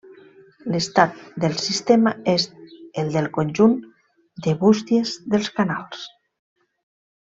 L'estat del sistema és el del conjunt de bústies dels canals.